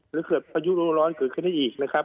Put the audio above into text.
หรือเกิดพายุร้อนเกิดขึ้นได้อีกนะครับ